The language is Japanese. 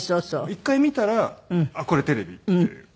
一回見たらあっこれテレビって。